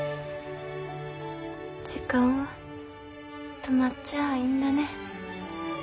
時間は止まっちゃあいんだね。